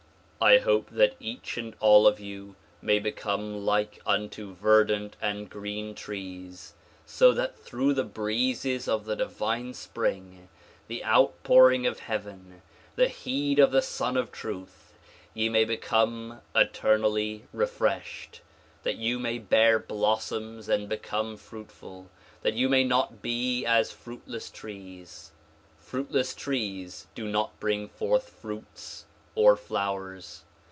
I hope that each and all of you may become like unto verdant and green trees so that through the breezes of the divine spring, the outpouring of heaven, the heat of the Sun of Truth, you may become eternally refreshed ; that you may bear blossoms and become fruitful; that you may not be as fraitless trees. Fruitless trees do not bring forth fruits or flowers.